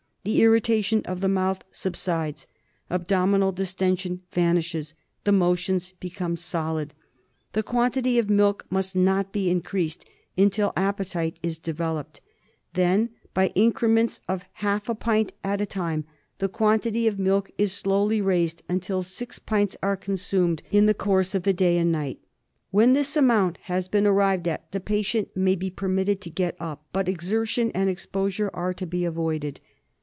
The irritation of the mouth subsides, abdominal distension vanishes, the motions become solid. The quantity of milk must not be increased until appetite is developed. Then by incre ments of half a pint at a time the quantity of milk is slowly raised until six pints are consumed in the course 208 TREATMENT OF SPRUE. of the day and night. When this amount has been arrived at the patient may be permitted to get up ; but exertion and exposure are to be avoided.